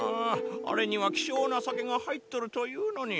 あれには希少な酒が入っとるというのに。